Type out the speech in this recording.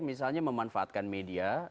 misalnya memanfaatkan media